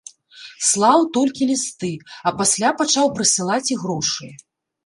Слаў толькі лісты, а пасля пачаў прысылаць і грошы.